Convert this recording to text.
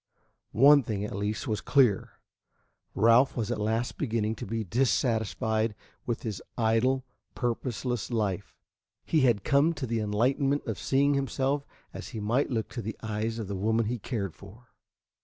One thing at least was clear: Ralph was at last beginning to be dissatisfied with his idle, purposeless life. He had come to the enlightenment of seeing himself as he might look to the eyes of the woman he cared for.